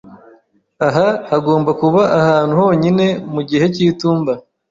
Aha hagomba kuba ahantu honyine mu gihe cyitumba.